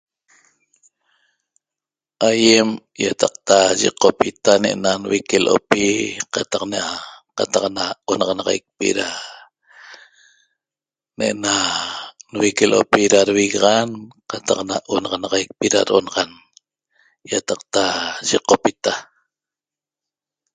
Aýem ýataqta yiqopita ne'na nvique l'opi qataq na qataq na onaxanaxaicpi da ne'ena nvique l'opi da devigaxan qataq na onanaxanaxaicpi da do'onaxan ýataqta yiqopita